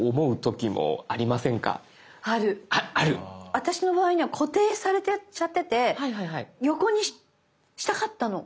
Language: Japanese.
私の場合には固定されちゃってて横にしたかったの。